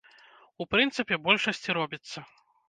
У прынцыпе, большасць і робіцца.